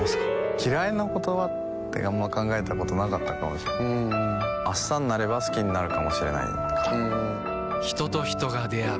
嫌いな言葉ってあんまり考えたことなかったかも明日になれば好きになるかもしれないから人と人が出会う